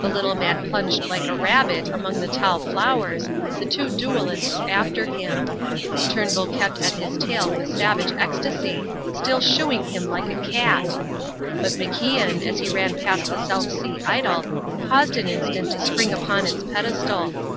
The little man plunged like a rabbit among the tall flowers, the two duellists after him. Turnbull kept at his tail with savage ecstasy, still shooing him like a cat. But MacIan, as he ran past the South Sea idol, paused an instant to spring upon its pedestal.